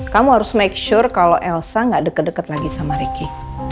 kamu harus make sure kalau elsa gak deket deket lagi sama ricky